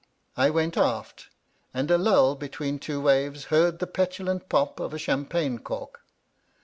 I went aft, and a lull between two waves heard the petulant pop of a champagne cork.